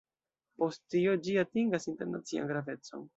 Post tio ĝi atingas internacian gravecon.